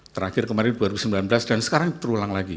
terakhir kemarin dua ribu sembilan belas dan sekarang terulang lagi